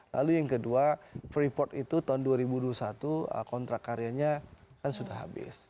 lalu yang kedua freeport itu tahun dua ribu dua puluh satu kontrak karyanya kan sudah habis